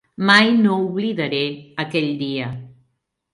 Mai no oblidaré aquell dia.